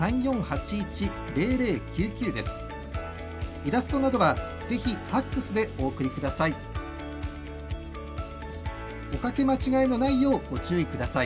イラストなどはぜひファックスでお送りください。